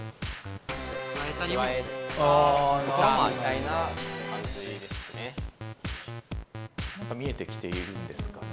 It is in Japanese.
あなるほどね。何か見えてきているんですかね？